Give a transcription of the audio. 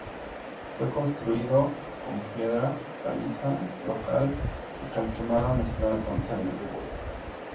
Fue construido con piedra caliza local y cal quemada mezclada con sangre de buey.